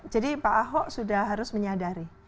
jadi pak ahok sudah harus menyadari